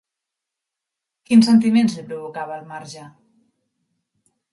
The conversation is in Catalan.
Quins sentiments li provocava el marge?